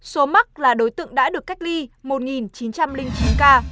số mắc là đối tượng đã được cách ly một chín trăm linh chín ca